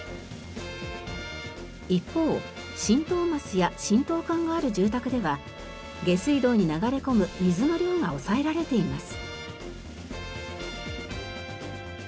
一方浸透ますや浸透管がある住宅では下水道に流れ込む水の量が抑えられています。